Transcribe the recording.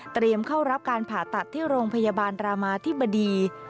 เข้ารับการผ่าตัดที่โรงพยาบาลรามาธิบดี